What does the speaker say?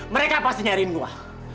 mereka pasti nyariin gue